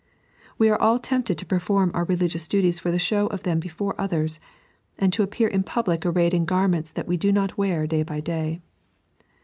We are all tempted to perform oitt religious duties for the show of them before others, and to appear in public arrayed in garments that we do not wear day by day.